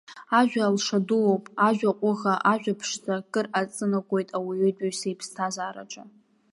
Ажәа алша дууп, ажәа ҟәыӷа, ажәа ԥшӡа кыр аҵанакуеит ауаҩытәыҩса иԥсҭазаараҿы.